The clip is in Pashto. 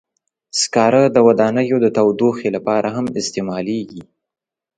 سکاره د ودانیو د تودوخې لپاره هم استعمالېږي.